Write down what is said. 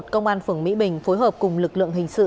công an phường mỹ bình phối hợp cùng lực lượng hình sự